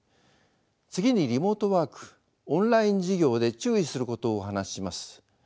次にリモートワークオンライン授業で注意することをお話しします。